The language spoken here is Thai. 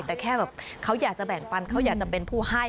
แต่แค่แบบเขาอยากจะแบ่งปันเขาอยากจะเป็นผู้ให้